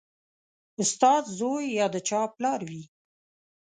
استاد زوی یا د چا پلار وي